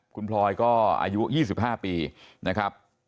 คุณพลอยก็อายุยี่สิบห้าปีนะครับ